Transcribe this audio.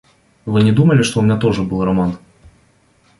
Вы не думали, что у меня тоже был роман?